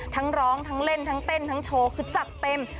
ทั้งร้องทั้งเล่นทั้งเต้นทั้งโชว์คือจัดเต็ม